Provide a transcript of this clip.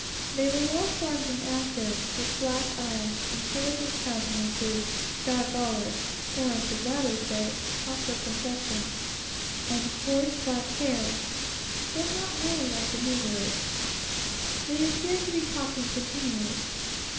They were well formed and active, with black eyes, intelligent countenances, dark olive, or, I should rather say, copper complexions and coarse black hair, but not woolly like the negroes. They appeared to be talking continually.